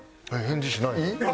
返事しないの？